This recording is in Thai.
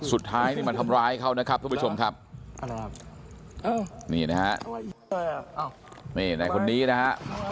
สุดท้ายนี่มันทำร้ายเขานะครับผู้ชมครับนี่นะครับในคนนี้นะครับ